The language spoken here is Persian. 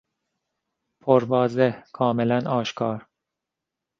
پرواضح، کاملا آشکار